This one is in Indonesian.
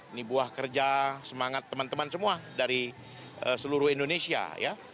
ini buah kerja semangat teman teman semua dari seluruh indonesia ya